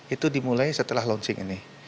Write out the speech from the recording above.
itu dimulai setelah launching ini